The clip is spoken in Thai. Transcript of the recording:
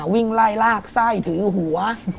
วิ่งไล่ลากไส้ถือหัว